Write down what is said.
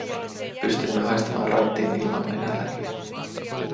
Pystyin jo haistamaan raittiin ilman nenälläni.